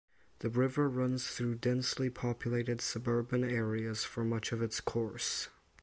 The river runs through densely populated suburban areas for much of its course.